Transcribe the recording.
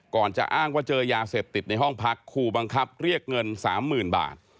จะอ้างว่าเจอยาเสพติดในห้องพักขู่บังคับเรียกเงิน๓๐๐๐บาท